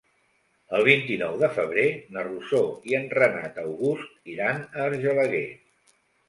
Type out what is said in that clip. El vint-i-nou de febrer na Rosó i en Renat August iran a Argelaguer.